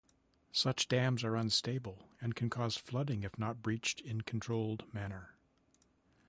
Such dams are unstable and can cause flooding if not breached in controlled manner.